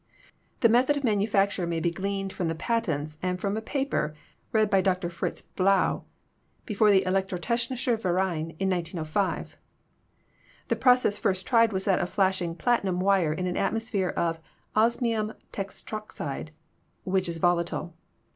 "The method of manufacture may be gleaned from the patents and from a paper read by Dr. Fritz Blau before the Elektrotechnisher Verein in 1905. The process first tried was that of flashing platinum wire in an atmosphere of osmium tetroxide (which is volatile).